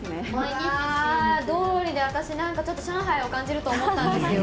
あー、どおりでなんかちょっと、上海を感じると思ったんですよ。